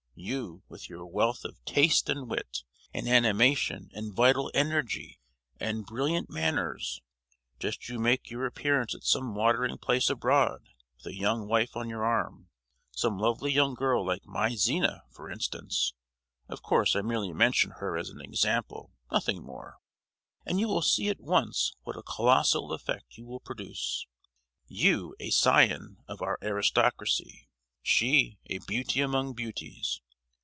You, with your wealth of taste and wit, and animation and vital energy and brilliant manners! Just you make your appearance at some watering place abroad with a young wife on your arm—some lovely young girl like my Zina, for instance—of course I merely mention her as an example, nothing more,—and you will see at once what a colossal effect you will produce: you, a scion of our aristocracy; she a beauty among beauties!